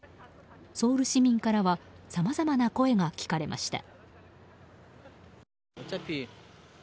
ソウル市民からはさまざまな声が聞かれました。